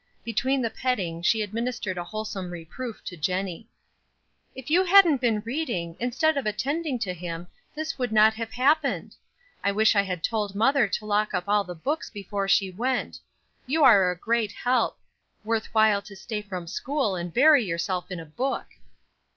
Between the petting she administered wholesome reproof to Jennie. "If you hadn't been reading, instead of attending to him this would not have happened I wish I had told mother to lock up all the books before she went. You are great help; worth while to stay from school to bury yourself in a book."